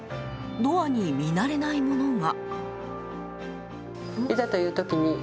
ドアに見慣れないものが。